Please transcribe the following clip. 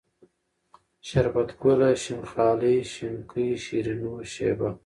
شربت گله ، شين خالۍ ، شينکۍ ، شيرينو ، شېبه